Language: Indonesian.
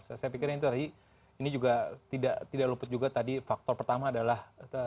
saya pikir ini juga tidak luput juga tadi faktor pertama adalah